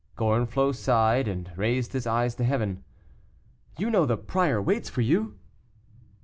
Gorenflot sighed, and raised his eyes to Heaven. "You know the prior waits for you?"